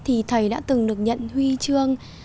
thì thầy đã từng được nhận huy chương